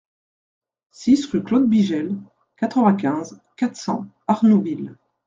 six rue Claude Bigel, quatre-vingt-quinze, quatre cents, Arnouville